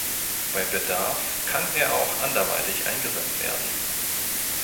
Bei Bedarf kann er auch anderweitig eingesetzt werden.